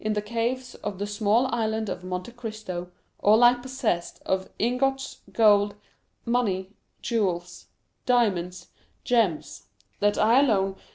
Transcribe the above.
the caves of the small Island of Monte Cristo, all I poss...essed of ingots, gold, money, jewels, diamonds, gems; that I alone...